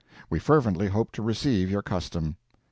"We fervently hope to receive your custom.